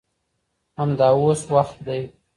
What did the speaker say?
همدا اوس وخت دی.